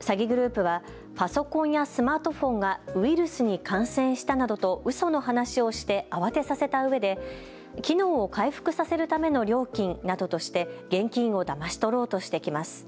詐欺グループはパソコンやスマートフォンがウイルスに感染したなどとうその話をして慌てさせたうえで、機能を回復させるための料金などとして現金をだまし取ろうとしてきます。